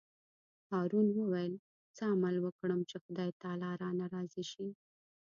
هارون وویل: څه عمل وکړم چې خدای تعالی رانه راضي شي.